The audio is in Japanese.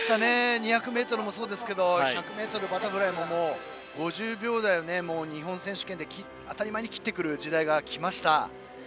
２００ｍもそうですが１００ｍバタフライも５０秒台を日本選手権で当たり前に切ってくる時代が来ました。